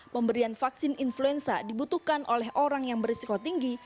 pemberian vaksin influenza dibutuhkan oleh orang yang berisiko tinggi